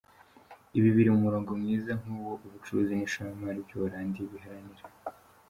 Ibi biri mu murongo mwiza nk’uwo ubucuruzi n’ishoramari by’u Buholandi biharanira.